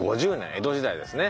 江戸時代ですね。